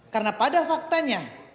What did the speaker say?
karena pada faktanya